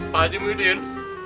pak gigi muhyiddin